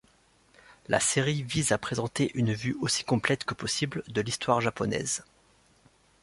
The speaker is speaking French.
La série vise à présenter une vue aussi complète que possible de l'histoire japonaise.